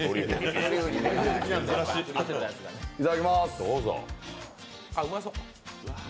いただきます。